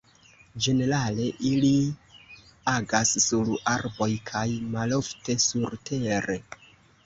Ĝenerale ili agas sur arboj kaj malofte surtere.